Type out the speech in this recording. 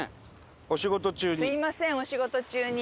すみませんお仕事中に。